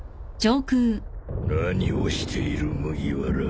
何をしている麦わら